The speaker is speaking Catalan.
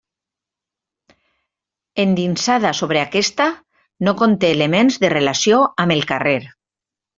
Endinsada sobre aquesta, no conté elements de relació amb el carrer.